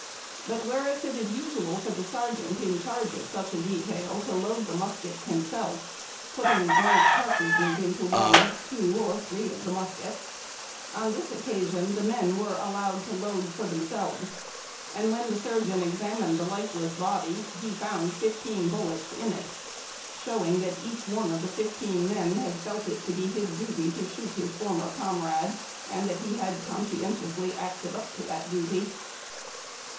But whereas it is usual for the sersreant in charge of such a detail to load the muskets himself, putting blank cartridges into one, two, or three of the muskets, on this occasion the men were allowed to load for themselves, and when the surgeon examined the lifeless body he ionwd fifteen bullets in it, showing that each one of the fifteen men had felt it to be his duty to shoot his former comrade, and that he had conscientiously acted up to that duty.